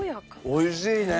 おいしいね！